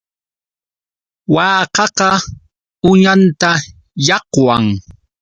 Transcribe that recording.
Waakaqa uñanta llaqwan.